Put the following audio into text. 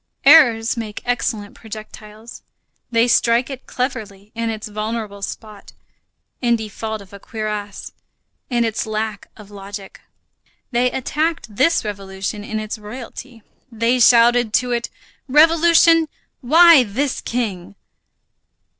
Errors make excellent projectiles. They strike it cleverly in its vulnerable spot, in default of a cuirass, in its lack of logic; they attacked this revolution in its royalty. They shouted to it: "Revolution, why this king?"